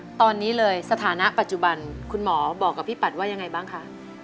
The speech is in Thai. ตอนนี้เลยสถานะปัจจุบันคุณหมอบอกกับพี่ปัดว่ายังไงบ้างคะ